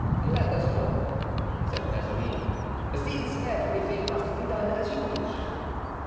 "Let us go," said Mazarin, "since everything must be done as you wish."